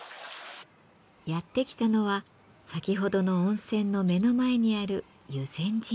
やって来たのは先ほどの温泉の目の前にある湯前神社。